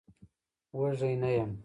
وږی نه يم.